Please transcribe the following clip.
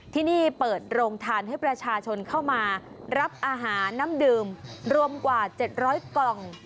ที่นี่เปิดโรงทานให้ประชาชนเข้ามารับอาหารน้ำดื่มรวมกว่า๗๐๐กล่อง